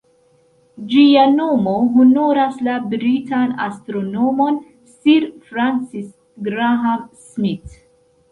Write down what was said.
Ĝia nomo honoras la britan astronomon Sir Francis Graham-Smith.